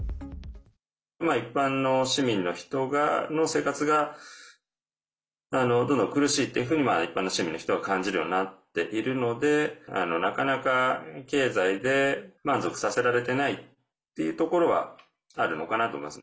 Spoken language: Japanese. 一般の市民の人の生活がどんどん苦しいっていうふうに一般の市民の人が感じるようになっているのでなかなか経済で満足させられてないというところはあるのかなと思います。